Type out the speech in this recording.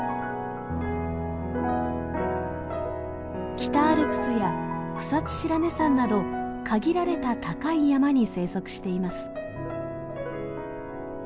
北アルプスや草津白根山など限られた高い山に生息しています。